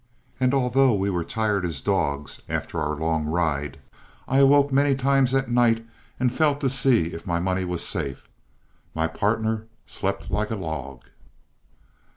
And although we were tired as dogs after our long ride, I awoke many times that night and felt to see if my money was safe; my partner slept like a log.